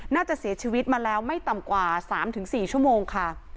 น่าจะเสียชีวิตมาแล้วไม่ต่ำกว่า๓๔ชั่วโมงค่ะ